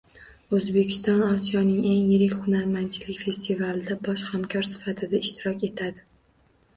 O‘zbekiston Osiyoning eng yirik hunarmandchilik festivalida bosh hamkor sifatida ishtirok etadi